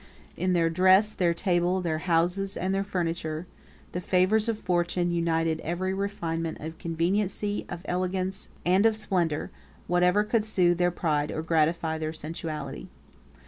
In their dress, their table, their houses, and their furniture, the favorites of fortune united every refinement of conveniency, of elegance, and of splendor, whatever could soothe their pride or gratify their sensuality.